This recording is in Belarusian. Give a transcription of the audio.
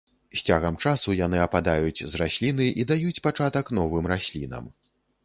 З цягам часу яны ападаюць з расліны і даюць пачатак новым раслінам.